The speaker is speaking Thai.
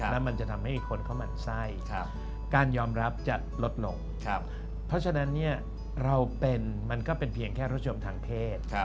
แล้วมันจะทำให้คนเขาหมั่นไส้การยอมรับจะลดลงเพราะฉะนั้นเราเป็นมันก็เป็นเพียงแค่รถชมทางเพศ